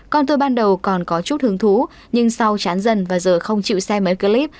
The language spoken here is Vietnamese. con tuổi ban đầu còn có chút hứng thú nhưng sau chán dần và giờ không chịu xem mấy clip